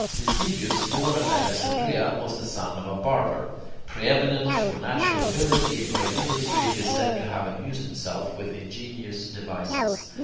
Ctesibius, born at Alexandria, was the son of a barber. Preeminent for natural ability and great industry, he is said to have amused himself with ingenious devices.